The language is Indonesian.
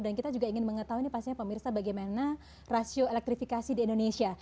dan kita juga ingin mengetahui ini pastinya pemirsa bagaimana rasio elektrifikasi di indonesia